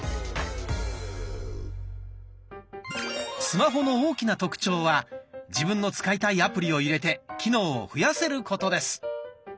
スマホの大きな特徴は自分の使いたいアプリを入れて機能を増やせることです。